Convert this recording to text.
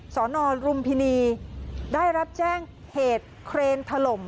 สอนอรุมพินีได้รับแจ้งเหตุเครนถล่ม